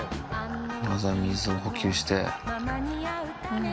まずは水を補給して。